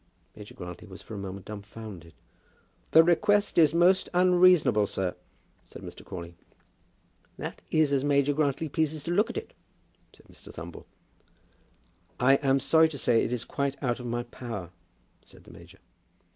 Major Grantly was for a moment dumfounded. "The request is most unreasonable, sir," said Mr. Crawley. "That is as Major Grantly pleases to look at it," said Mr. Thumble. "I am sorry to say that it is quite out of my power," said the major.